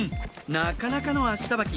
なかなかの足さばき